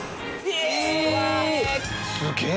すげえ！